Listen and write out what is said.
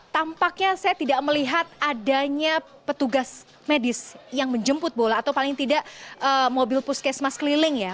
tampaknya saya tidak melihat adanya petugas medis yang menjemput bola atau paling tidak mobil puskesmas keliling ya